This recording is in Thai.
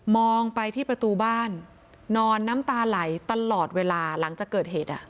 องไปที่ประตูบ้านนอนน้ำตาไหลตลอดเวลาหลังจากเกิดเหตุ